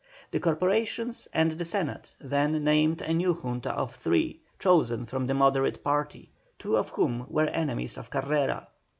The Corporations and the Senate then named a new Junta of three, chosen from the Moderate party, two of whom were enemies of Carrera.